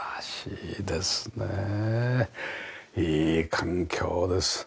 いい環境です。